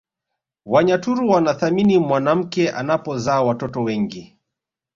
Wanyaturu wanathamini mwanamke anapozaa watoto wengi